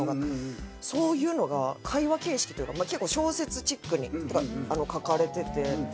そういうのが会話形式というか結構小説チックに書かれてて。